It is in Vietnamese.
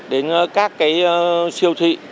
đến các cái siêu thị